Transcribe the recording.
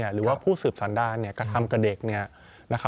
หรือว่าผู้สืบสันดารกระทำกับเด็ก